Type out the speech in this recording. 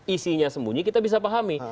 isinya sembunyi kita bisa pahami